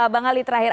bang ali terakhir